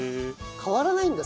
変わらないんだ？